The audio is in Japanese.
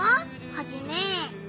ハジメ。